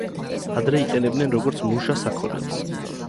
ადრე იყენებდნენ როგორც მუშა საქონელს.